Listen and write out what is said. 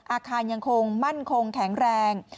อาคารยังคงมั่นคงแข็งแรง